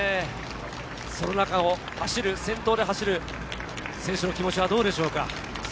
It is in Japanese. その中を先頭で走る選手の気持ちはどうでしょうか？